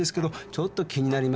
ちょっと気になりまして。